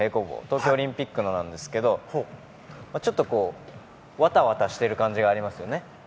東京オリンピックのなんですがちょっとわたわたしている感じがありますよね。